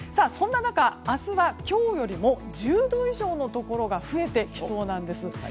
そんな中、明日は今日よりも１０度以上のところが増えてきそうなんです。